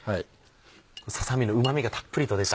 ささ身のうまみがたっぷりと出た。